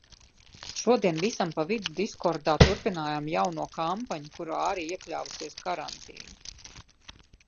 Šodien visam pa vidu diskordā turpinājām jauno kampaņu, kurā arī iekļāvusies karantīna.